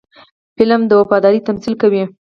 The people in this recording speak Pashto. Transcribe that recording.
فلم د وفادارۍ تمثیل کوي